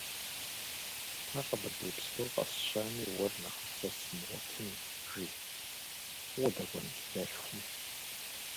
Тхьэ, Къэбэрдей псор къэсщами, уэр нэхъыфӏ сэ сымыгъуэтын!- жи. - Укъыдэкӏуэн си дэлъхум?